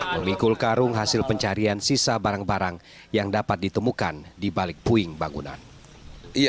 men pikul karung hasil pencarian sisa barang barang yang dapat ditemukan dibalik puing bangunan iya